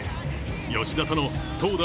吉田との投打